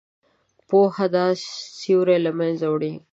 پوهه دا سیوری له منځه وړي.